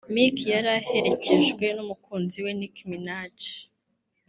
Meek yari aherekejwe n’umukunzi we Nicki Minaj